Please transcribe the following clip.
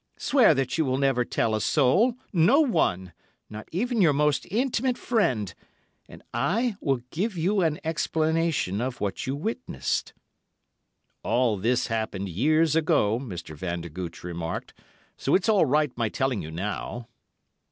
Swear that you will never tell a soul, no one, not even your most intimate friend, and I will give you an explanation of what you witnessed.' ("All this happened years ago," Mr. Vandergooch remarked, "so it's all right my telling you now.")